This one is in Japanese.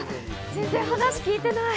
全然、話聞いてない。